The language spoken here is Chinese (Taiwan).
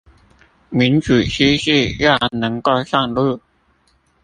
民主機制要能夠上路